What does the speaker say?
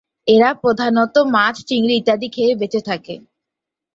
এরা প্রধানত মাছ, চিংড়ি ইত্যাদি খেয়ে বেঁচে থাকে।